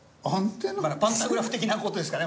パンタグラフ的な事ですかね